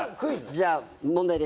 じゃあ問題です。